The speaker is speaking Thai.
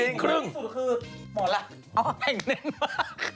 ที่สุดคือหมอรักอ้าวแน่นมาก